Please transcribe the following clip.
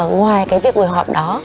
ngoài cái việc ngồi họp đó